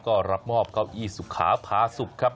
ก็รับมอบเก้าอี้สุขาพาสุขครับ